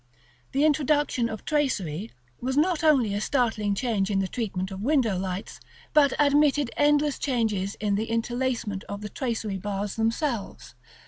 The introduction of tracery was not only a startling change in the treatment of window lights, but admitted endless changes in the interlacement of the tracery bars themselves.